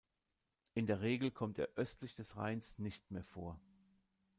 In der Regel kommt er östlich des Rheins nicht mehr vor.